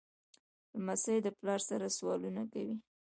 لمسی د پلار سره سوالونه کوي.